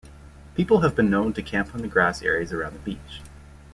People have been known to camp on the grass areas around the beach.